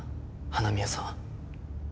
花宮さん。